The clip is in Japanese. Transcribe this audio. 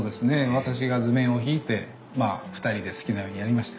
私が図面を引いてまあ２人で好きなようにやりました。